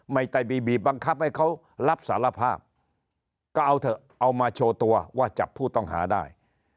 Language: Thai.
ไม่ได้บีบีบังคับให้เขารับสารภาพก็เอาเถอะเอามาโชว์ตัวว่าจับผู้ต้องหาได้